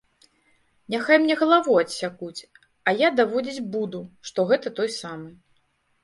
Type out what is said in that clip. Няхай мне галаву адсякуць, а я даводзіць буду, што гэта той самы.